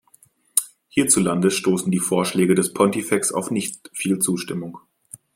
Hierzulande stoßen die Vorschläge des Pontifex auf nicht viel Zustimmung.